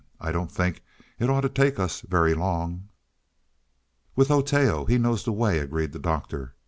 I don't think it ought to take us very long." "With Oteo he knows the way," agreed the Doctor.